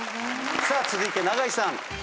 さあ続いて永井さん。